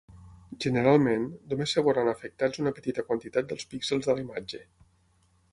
Generalment, només es veuran afectats una petita quantitat dels píxels de la imatge.